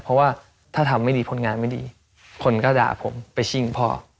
เพราะว่าถ้าทำไม่ดีผลงานไม่ดีคนก็ด่าผมไปชิ่งพ่อ